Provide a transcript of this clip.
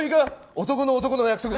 男と男の約束だ。